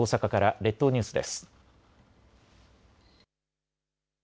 列島ニュースです。